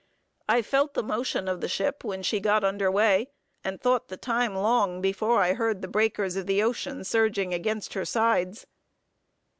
I felt the motion of the ship when she got under weigh, and thought the time long before I heard the breakers of the ocean surging against her sides.